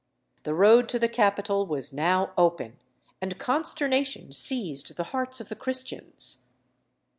The road to the capital was now open, and consternation seized the hearts of the Christians.